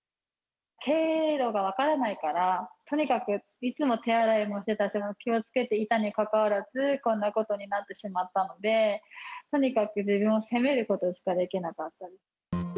経路が分からないから、とにかくいつも手洗いもしてたし、気をつけていたにもかかわらず、こんなことになってしまったので、とにかく自分を責めることしかできなかったです。